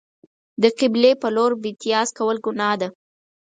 د قبلې په لور میتیاز کول گناه ده.